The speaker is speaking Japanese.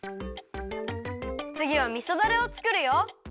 つぎはみそダレをつくるよ。